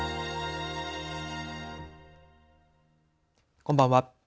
こんばんは。